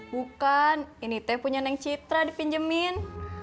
bukan ini teh punya neng citra dipinjemin